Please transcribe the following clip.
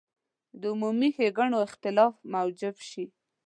د عمومي ښېګڼو اختلاف موجب شي.